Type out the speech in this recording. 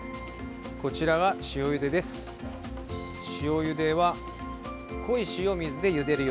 こちらは塩ゆでです。